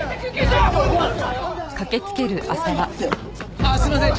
ああすいません。